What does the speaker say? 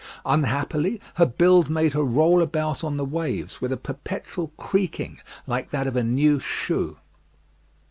Unhappily her build made her roll about on the waves, with a perpetual creaking like that of a new shoe.